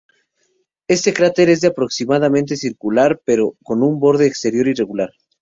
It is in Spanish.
Este cráter es aproximadamente circular pero con un borde exterior irregular.